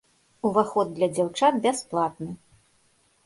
Уваход для дзяўчат бясплатны.